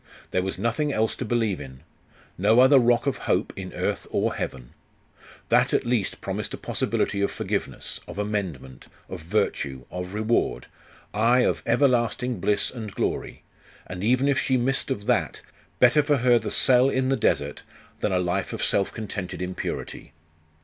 There was nothing else to believe in. No other rock of hope in earth or heaven. That at least promised a possibility of forgiveness, of amendment, of virtue, of reward ay, of everlasting bliss and glory; and even if she missed of that, better for her the cell in the desert than a life of self contented impurity!